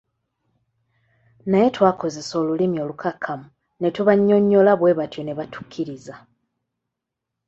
Naye twakozesa olulimi olukakkamu ne tubanyonnyola bwebatyo ne batukkiriza.